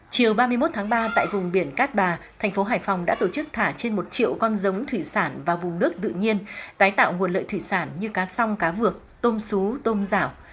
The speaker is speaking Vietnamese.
chiều ba mươi một tháng ba tại vùng biển cát bà thành phố hải phòng đã tổ chức thả trên một triệu con giống thủy sản vào vùng nước tự nhiên tái tạo nguồn lợi thủy sản như cá song cá vược tôm sú tôm rảo